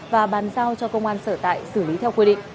và bàn giao cho công an sở tại xử lý theo quy định